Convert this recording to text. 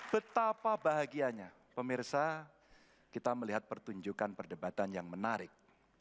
betapa bahagianya pemirsa kita melihat pertunjukan perdebatan yang menarik